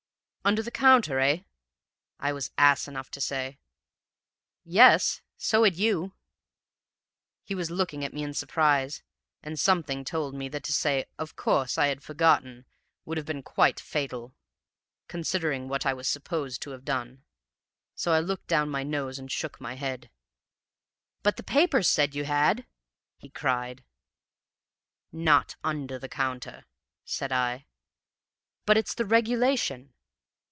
"'Under the counter eh?' I was ass enough to say. "'Yes; so had you!' "He was looking at me in surprise, and something told me that to say 'of course I had forgotten!' would have been quite fatal, considering what I was supposed to have done. So I looked down my nose and shook my head. "'But the papers said you had!' he cried. "'Not under the counter,' said I. "'But it's the regulation!'